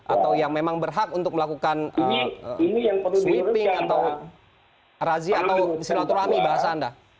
atau yang memang berhak untuk melakukan sweeping atau razi atau silaturahmi bahasa anda